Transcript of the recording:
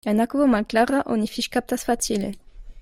En akvo malklara oni fiŝkaptas facile.